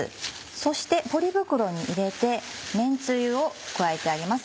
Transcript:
そしてポリ袋に入れてめんつゆを加えてあります。